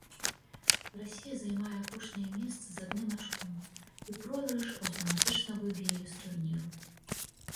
Расія займае апошняе месца з адным ачком і пройгрыш аўтаматычна выб'е яе з турніру.